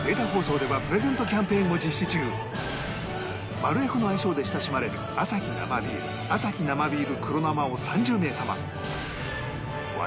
マルエフの愛称で親しまれるアサヒ生ビールアサヒ生ビール黒生を３０名様